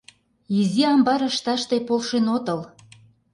Изи амбар ышташ тый полшен отыл!..